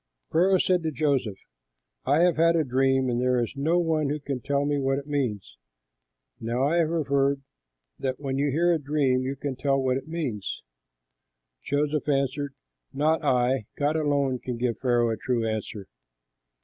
Pharaoh said to Joseph, "I have had a dream, and there is no one who can tell what it means. Now I have heard that when you hear a dream, you can tell what it means." Joseph answered Pharaoh, "Not I; God alone can give Pharaoh a true answer."